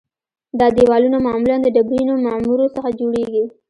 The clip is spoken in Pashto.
دا دیوالونه معمولاً د ډبرینو معمورو څخه جوړیږي